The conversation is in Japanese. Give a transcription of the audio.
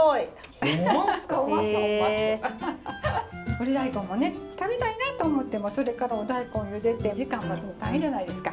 ぶり大根もね食べたいなと思ってもそれからお大根ゆでて時間待つの大変じゃないですか。